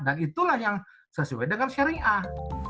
dan itulah yang sesuai dengan syariah